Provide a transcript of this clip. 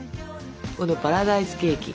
このパラダイスケーキ。